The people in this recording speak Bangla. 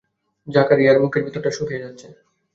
জাকারিয়ার মুখের ভেতরটা শুকিয়ে যাচ্ছে।